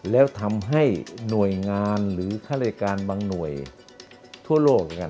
แล้วทำให้หน่วยงานหรือข้าราชการบางหน่วยทั่วโลก